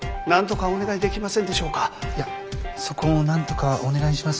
いやそこをなんとかお願いします。